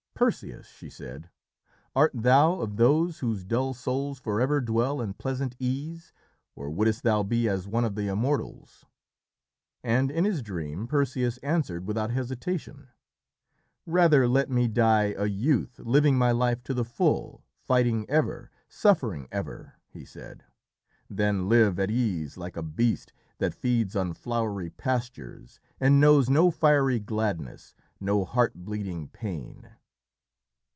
"Perseus," she said, "art thou of those whose dull souls forever dwell in pleasant ease, or wouldst thou be as one of the Immortals?" And in his dream Perseus answered without hesitation: "Rather let me die, a youth, living my life to the full, fighting ever, suffering ever," he said, "than live at ease like a beast that feeds on flowery pastures and knows no fiery gladness, no heart bleeding pain."